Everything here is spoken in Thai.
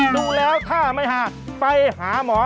ดูแล้วถ้าไม่หาไปหาหมอ